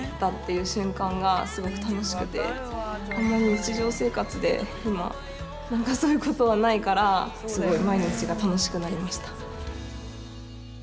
日常生活で今何かそういうことはないからすごい毎日が楽しくなりました。